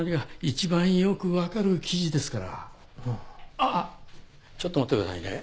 あっちょっと待ってくださいね。